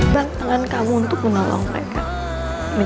mungkin terhadap seorang perempuan